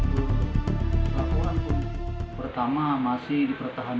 bukan saya tidak ada diberi salah